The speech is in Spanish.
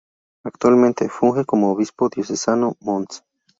Actualmente, funge como obispo diocesano Mons.